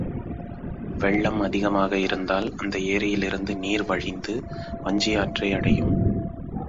வெள்ளம் அதிகமாக இருந்தால் அந்த ஏரியிலிருந்து நீர் வழிந்து வஞ்சியாற்றை அடையும்.